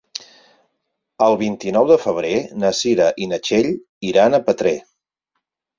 El vint-i-nou de febrer na Cira i na Txell iran a Petrer.